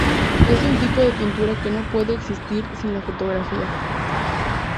Es un tipo de pintura que no puede existir sin la fotografía.